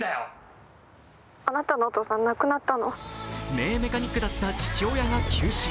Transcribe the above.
名メカニックだった父親が急死。